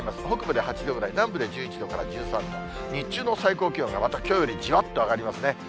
北部で８度ぐらい、南部で１１度から１３度、日中の最高気温がまたきょうよりじわっと上がりますね。